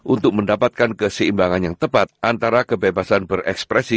untuk mendapatkan keseimbangan yang tepat antara kebebasan berekspresi